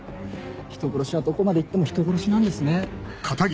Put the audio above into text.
人殺しはどこまで行っても人殺しなんですね。